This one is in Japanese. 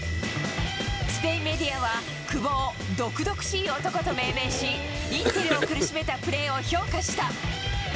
スペインメディアは、久保を毒々しい男と命名し、インテルを苦しめたプレーを評価した。